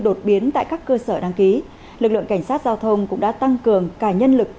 đột biến tại các cơ sở đăng ký lực lượng cảnh sát giao thông cũng đã tăng cường cả nhân lực